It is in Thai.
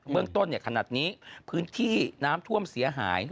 เมืองต้นขนาดนี้พื้นที่น้ำท่วมเสียหาย